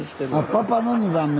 パパの２番目。